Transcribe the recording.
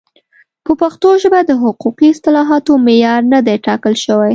په پښتو ژبه د حقوقي اصطلاحاتو معیار نه دی ټاکل شوی.